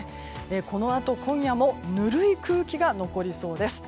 このあと、今夜もぬるい空気が残りそうです。